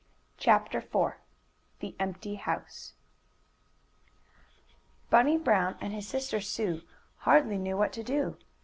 CHAPTER IV THE EMPTY HOUSE Bunny Brown and his sister Sue hardly knew what to do.